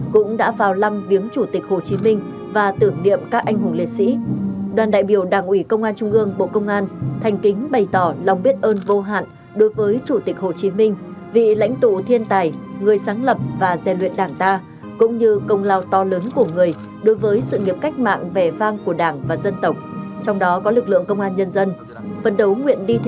cũng đã vào lăng viếng chủ tịch hồ chí minh và tưởng niệm các anh hùng lịch sĩ